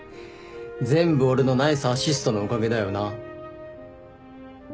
全部俺のナイスアシストのおかげだよな。